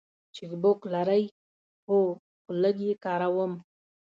چک بوک لرئ؟ هو، خو لږ یی کاروم